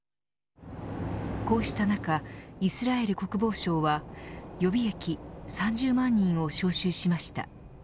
こうした中、イスラエル国防省は予備役３０万人を招集しました。